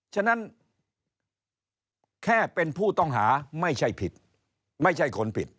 ฉะนั้นแค่เป็นผู้ต้องหาไม่ใช่ผิดไม่ใช่คนผิด